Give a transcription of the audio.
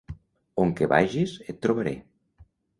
On que vagis, et trobaré.